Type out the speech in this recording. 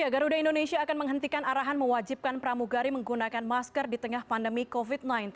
garuda indonesia akan menghentikan arahan mewajibkan pramugari menggunakan masker di tengah pandemi covid sembilan belas